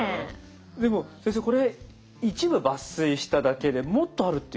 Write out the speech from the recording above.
でも先生これ一部抜粋しただけでもっとあるっていう？